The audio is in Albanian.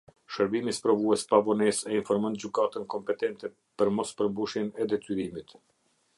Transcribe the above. Shërbimi sprovues pa vonesë e informon gjykatën kompetente për mos përmbushjen e detyrimit.